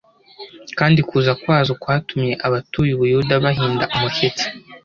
kandi kuza kwazo kwatumye abatuye Ubuyuda bahinda umushyitsi